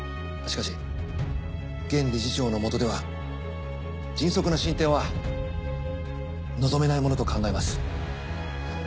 しかし現理事長のもとでは迅速な進展は望めないものと考えます。